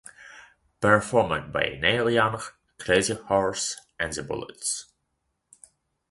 Performed by Neil Young, Crazy Horse and the Bullets.